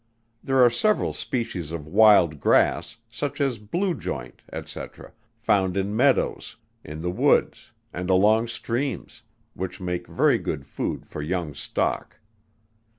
There are several species of wild grass, such as blue joint, &c. found in meadows, in the woods, and along streams, which make very good food for young stock.